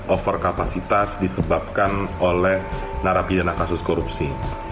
over kapasitas disebabkan oleh narapidana kasus korupsi